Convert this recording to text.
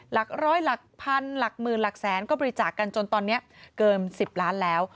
หลักร้อยหลักพันหลักหมื่นหลักแสนก็บริจาคกันจนตอนนี้เกิน๑๐ล้านแล้ว